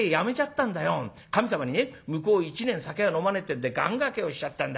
神様にね向こう１年酒は飲まねえってんで願がけをしちゃったんだ。